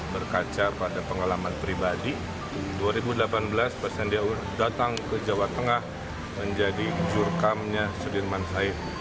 berkaca pada pengalaman pribadi dua ribu delapan belas pak sandiaga uno datang ke jawa tengah menjadi jurkamnya sudirman said